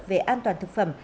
về an toàn thực phẩm